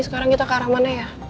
sekarang kita ke arah mana ya